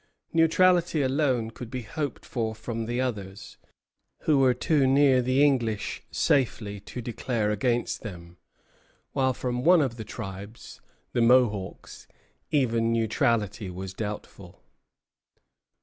Neutrality alone could be hoped for from the others, who were too near the English safely to declare against them; while from one of the tribes, the Mohawks, even neutrality was doubtful.